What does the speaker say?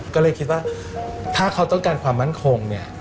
ก็เลยคิดว่าถ้าเขาต้องการความมั่นคงเนี่ย